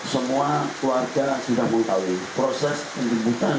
semua keluarga sudah mengetahui proses penjemputan